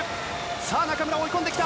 さあ、中村追い込んできた。